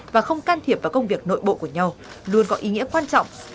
và không can thiệp vào công việc nội bộ của nhau luôn có ý nghĩa quan trọng